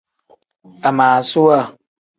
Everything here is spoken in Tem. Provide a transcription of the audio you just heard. Amaasuwa.